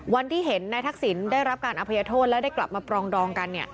วันที่เห็นนายทักษิณได้รับการอภัยโทษและได้กลับมาปรองดองกัน